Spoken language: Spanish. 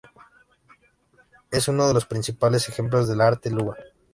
Es uno de los principales ejemplos del arte luba.